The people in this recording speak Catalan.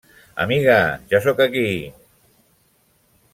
-Amiga, ja sóc aquí!